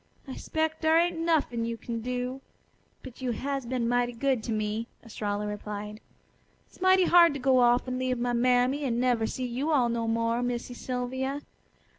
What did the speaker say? I 'spec' dar ain't nuffin' you kin do. But you has been mighty good to me," Estralla replied. "It's mighty hard to go off and leave my mammy an' never see you all no more, Missy Sylvia.